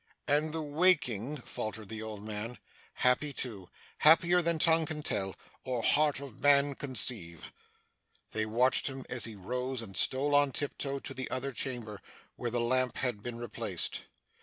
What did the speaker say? and the waking ' faltered the old man. 'Happy too. Happier than tongue can tell, or heart of man conceive.' They watched him as he rose and stole on tiptoe to the other chamber where the lamp had been replaced.